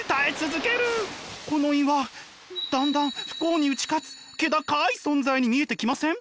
この岩だんだん不幸に打ち勝つ気高い存在に見えてきません？